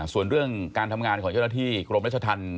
ส่วนเรื่องการทำงานของเจ้าหน้าที่กรมรัชธรรม